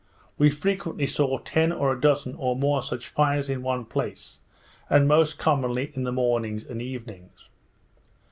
We frequently saw ten or a dozen, or more, such fires in one place, and most commonly in the mornings and evenings.